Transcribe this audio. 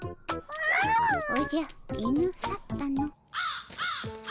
おじゃ犬去ったの。